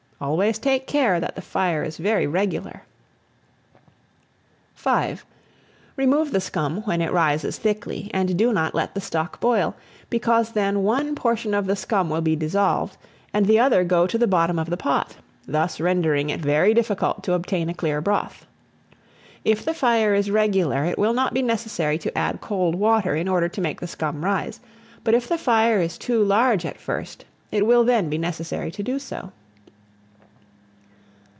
Always take care that the fire is very regular. V. REMOVE THE SCUM when it rises thickly, and do not let the stock boil, because then one portion of the scum will be dissolved, and the other go to the bottom of the pot; thus rendering it very difficult to obtain a clear broth. If the fire is regular, it will not be necessary to add cold water in order to make the scum rise; but if the fire is too large at first, it will then be necessary to do so.